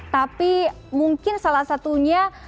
tapi mungkin salah satunya